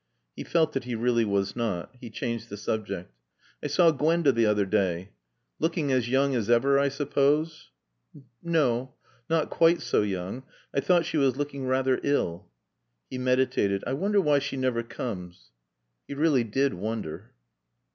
He felt that he really was not. He changed the subject. "I saw Gwenda the other day." "Looking as young as ever, I suppose?" "No. Not quite so young. I thought she was looking rather ill." He meditated. "I wonder why she never comes." He really did wonder.